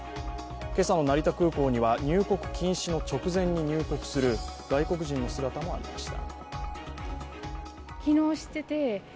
今朝の成田空港には、入国禁止の直前に入国する外国人の姿もありました。